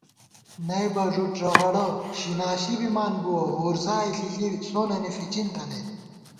نئیبہ ݫُد ݫَغَڑہ شی ناشی بِمان بُوَہ ، وُرزائے ݪِݪی سوننی فِچِن تھنَئیت